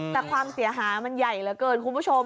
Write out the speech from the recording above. แต่ความเสียหายมันใหญ่เหลือเกินคุณผู้ชม